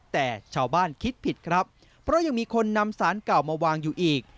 แต่ชาวบ้านคิดผิดครับเพราะยังมีคนนำสารเก่ามาวางอยู่อีก